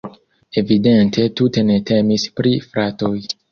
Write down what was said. Evidente tute ne temis pri fratoj.